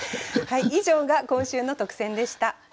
以上が今週の特選でした。